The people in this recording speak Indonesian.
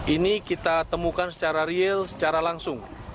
ini kita temukan secara real secara langsung